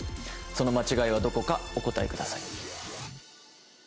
その間違いはどこかお答えください